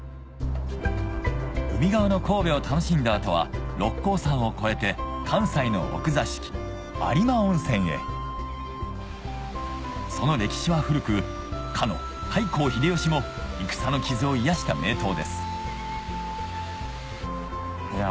海側の神戸を楽しんだ後は六甲山を越えて関西の奥座敷有馬温泉へその歴史は古くかの太閤秀吉も戦の傷を癒やした名湯ですいや